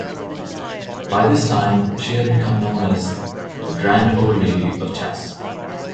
By this time she had become known as the "Grand Old Lady of Chess".